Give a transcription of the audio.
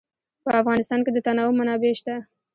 په افغانستان کې د تنوع منابع شته.